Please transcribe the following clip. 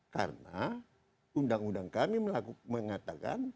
karena undang undang kami mengatakan